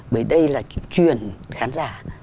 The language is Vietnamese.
bởi đây là truyền khán giả